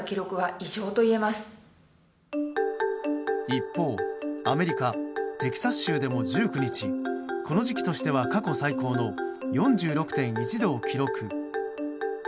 一方アメリカ・テキサス州でも１９日この時期としては過去最高の４６．１度を記録。